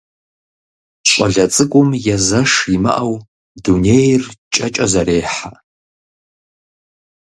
ЩӀалэ цӀыкӀум езэш имыӀэу дунейр кӀэкӀэ зэрехьэ.